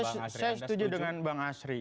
saya setuju dengan bang asri